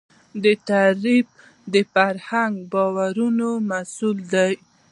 دا تعریف د فرهنګي باورونو محصول دی.